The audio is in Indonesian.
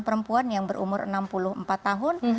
perempuan yang berumur enam puluh empat tahun